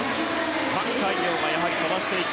タン・カイヨウがやはり飛ばしていく。